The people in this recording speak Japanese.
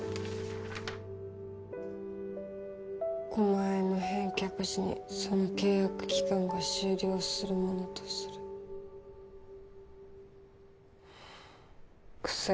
５万円の返却時にその契約期間が終了するものとする薬